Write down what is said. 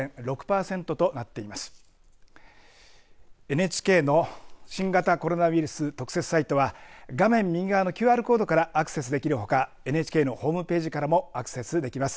ＮＨＫの新型コロナウイルス特設サイトは画面右側のＱＲコードからアクセスできるほかＮＨＫのホームページからもアクセスできます。